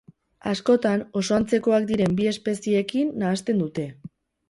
Askotan oso antzekoak diren bi espeziekin nahasten dute.